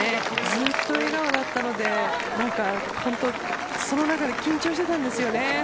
ずっと笑顔だったのでその中で緊張してたんですよね。